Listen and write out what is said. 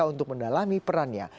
untuk mendalami perannya